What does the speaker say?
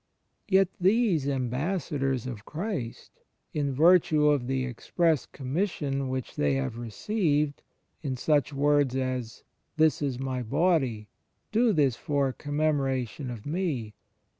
Yet these Ambassadors of Christ, in virtue of the express com mission which they have received, in such words as This is My Body ... do this for a commemoration of Me."